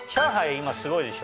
今すごいでしょ？